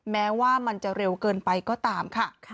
แม้ว่ามันจะเร็วเกินไปก็ตามค่ะ